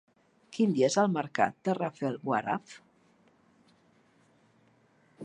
Quin dia és el mercat de Rafelguaraf?